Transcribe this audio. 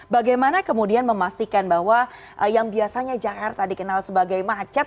bagaimana kemudian memastikan bahwa yang biasanya jakarta dikenal sebagai macet